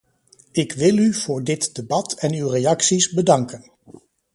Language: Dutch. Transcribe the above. Ik wil u voor dit debat en uw reacties bedanken.